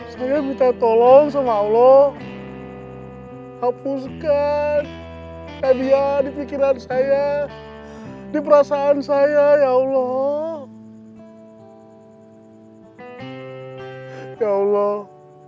saya minta tolong sama allah hapuskan kebiayaan di pikiran saya diperasaan saya ya allah ya allah